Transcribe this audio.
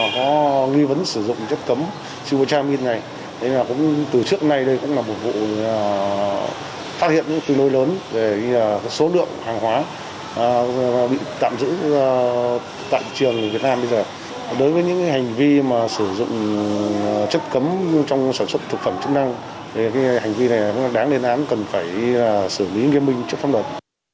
tại trường việt nam bây giờ đối với những hành vi sử dụng chất cấm trong sản xuất thực phẩm chức năng hành vi này đáng lên án cần phải xử lý nghiêm minh trước phong đoạn